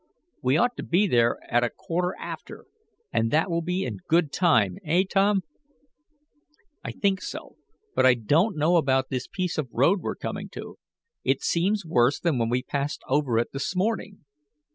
We ought to be there at a quarter after, and that will be in good time, eh, Tom?" "I think so, but I don't know about this piece of road we're coming to. It seems worse than when we passed over it this morning."